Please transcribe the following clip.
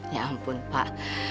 ya ampun pak